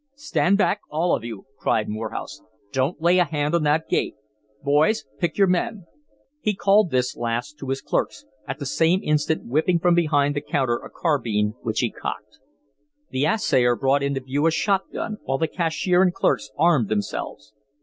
"Stand back! all of you!" cried Morehouse. "Don't lay a hand on that gate. Boys, pick your men." He called this last to his clerks, at the same instant whipping from behind the counter a carbine, which he cocked. The assayer brought into view a shot gun, while the cashier and clerks armed themselves.